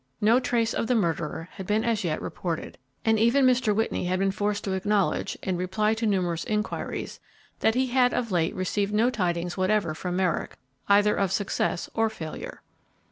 No trace of the murderer had been as yet reported, and even Mr. Whitney had been forced to acknowledge in reply to numerous inquiries that he had of late received no tidings whatever from Merrick, either of success or failure.